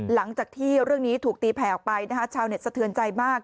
หลังจากที่เรื่องนี้ถูกตีแผ่ออกไปนะคะชาวเน็ตสะเทือนใจมาก